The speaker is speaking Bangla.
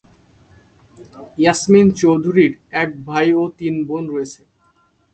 ইয়াসমিন চৌধুরীর এক ভাই ও তিন বোন রয়েছে।